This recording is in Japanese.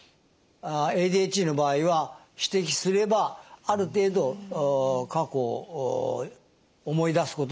ＡＤＨＤの場合は指摘すればある程度過去を思い出すことができます。